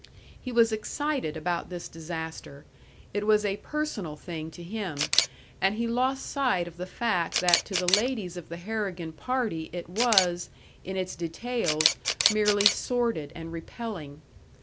He was excited about this disaster; it was a personal thing to him, and he lost sight of the fact that to the ladies of the Harrigan party it was, in its details, merely sordid and repelling.